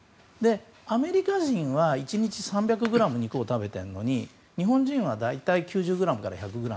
アメリカ人は１日３００ｇ肉を食べてるのに、日本人は大体９０ｇから１００ｇ。